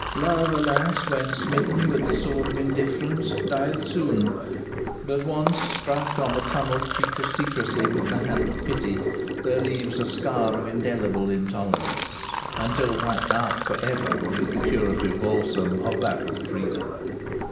Love, alas! when smitten with the sword of indifference, dieth soon, but once struck on the tunnelled cheek of secrecy with the hand of pity there leaves a scar of indelible intolerance, until wiped out for ever with the curative balsam of battled freedom.